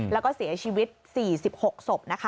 แล้วก็เสียชีวิต๔๖ศพ